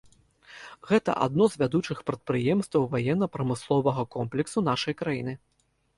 Гэта адно з вядучых прадпрыемстваў ваенна-прамысловага комплексу нашай краіны.